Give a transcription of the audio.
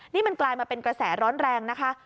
นี่มันกลายมาเป็นกระแสร้อนแรงนะคะ